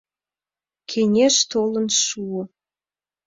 Кеҥеж толын шуо.